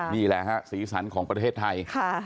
นี่แหละฮะสีสันของประเทศไทย